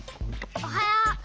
おはよう！